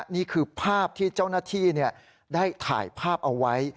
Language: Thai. นี่คือภาพที่เจ้าหน้าที่ได้ถ่ายภาพเอาไว้